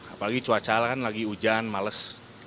apalagi cuaca kan lagi hujan males